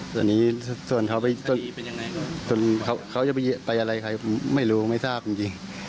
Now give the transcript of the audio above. ดังนี้ส่วนเขาจะไปง่ายไม่รู้ไม่ทราบจริง